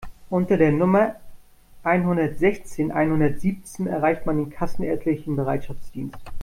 Unter der Nummer einhundertsechzehn einhundertsiebzehn erreicht man den kassenärztlichen Bereitschaftsdienst.